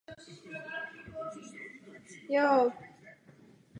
Poslanecké diety ukládal do nadace na podporu studentů archeologie.